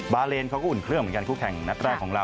บาเลนเขาก็อุ่นเครื่องเหมือนกันคู่แข่งนัดแรกของเรา